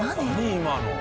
今の。